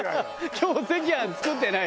「今日お赤飯作ってない？」